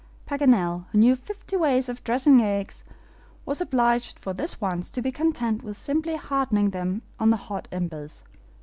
Paganel, who knew fifty ways of dressing eggs, was obliged for this once to be content with simply hardening them on the hot embers.